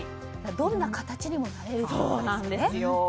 どんな形にもなれるってことですね。